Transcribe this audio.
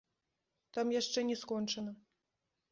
Там яшчэ не скончана.